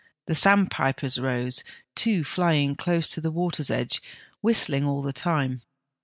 The sandpipers rose, two flying close to the water's edge, whistling all the time.